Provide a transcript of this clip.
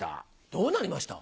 どうなりました？